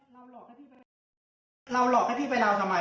เมียพี่ต้องการอะไร